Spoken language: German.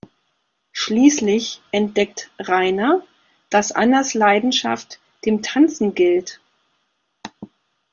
Schließlich entdeckt Rainer, dass Annas Leidenschaft dem Tanzen gilt.